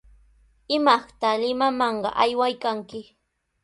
¿Imaqta Limaman aywaykanki?